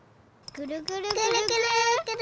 ぐるぐるぐるぐる。